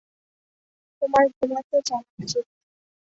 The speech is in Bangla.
তোমার ঘুমাতে যাওয়া উচিত।